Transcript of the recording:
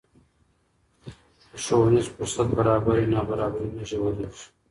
که ښوونیز فرصت برابر وي، نابرابري نه ژورېږي.